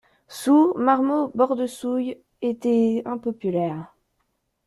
Soult, Marmont, Bordesoulle étaient impopulaires.